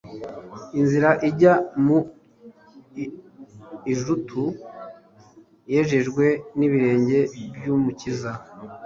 Inzira ijya mu ijutu yejejwe n'ibirenge by'Umukiza.